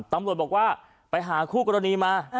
ตำรวจบอกว่าไปหาคู่กรณีมา